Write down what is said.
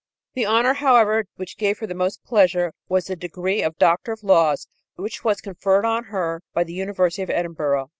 The honor, however, which gave her the most pleasure was the degree of Doctor of Laws, which was conferred on her by the University of Edinburgh.